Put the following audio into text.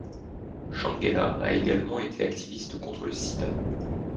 Shangela a également été activiste contre le sida.